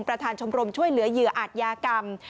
ประธานชมรมช่วยเหลือเหยื่ออาจยากรรม